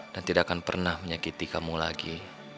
dan tidak akan pernah menyakiti kamu lagi